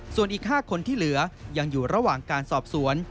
ส่วนอีก๕คนที่เหลือยังอยู่ระหว่างการสอบสวน